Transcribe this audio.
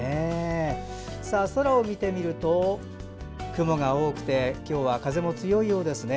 空を見てみると雲が多くて今日は風も強いようですね。